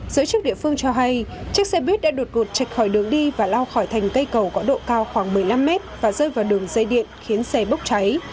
giới chức địa phương cho hay chiếc xe buýt đã đột ngột chạch khỏi đường đi và lao khỏi thành cây cầu có độ cao khoảng một mươi năm mét và rơi vào đường dây điện khiến xe bốc cháy